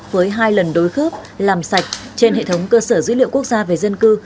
với hai lần đối khớp làm sạch trên hệ thống cơ sở dữ liệu quốc gia về dân cư